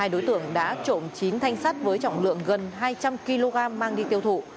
hai đối tượng đã trộm chín thanh sắt với trọng lượng gần hai trăm linh kg mang đi tiêu thụ